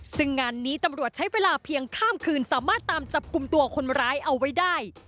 ซึ่งงานนี้ตำรวจใช้เวลาเพียงข้ามคืนสามารถตามจับกลุ่มตัวคนร้ายเอาไว้ได้